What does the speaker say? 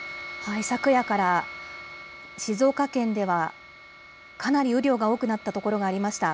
昨夜から静岡県ではかなり雨量が多くなったところがありました。